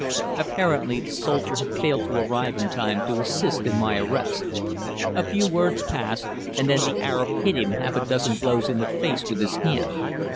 Apparently the soldier had failed to arrive in time to assist in my arrest. A few words passed, and then the Arab hit him half a dozen blows in the face with his hand.